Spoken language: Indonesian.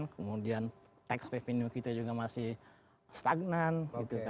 kemudian tax revenue kita juga masih stagnan